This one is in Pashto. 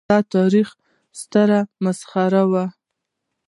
دا د تاریخ ستره مسخره وه.